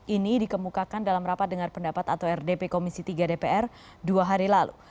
ini dikemukakan dalam rapat dengar pendapat atau rdp komisi tiga dpr dua hari lalu